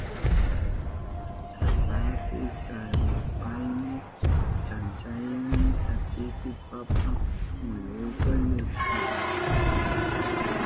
Kashapi sarushpayni chankayni sapipi papa muyuka llukshiwashka.